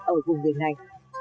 ở vùng vịnh này